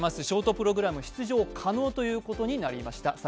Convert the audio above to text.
ショートプログラム出場可能ということになりました。